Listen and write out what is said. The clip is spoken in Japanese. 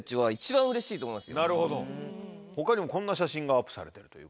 なるほど他にもこんな写真がアップされてる。